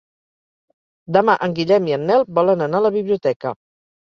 Demà en Guillem i en Nel volen anar a la biblioteca.